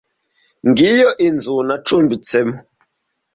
Ngiyo inzu nacumbitsemo.